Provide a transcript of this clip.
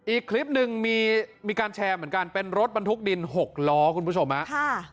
อีกคลิปหนึ่งมีการแชร์เหมือนกันเป็นรถบรรทุกดิน๖ล้อคุณผู้ชมฮะ